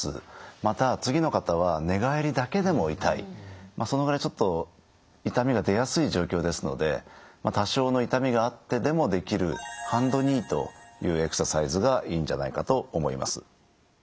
まあそのぐらいちょっと痛みが出やすい状況ですので多少の痛みがあってでもできるハンドニーというエクササイズがいいんじゃないかと思います。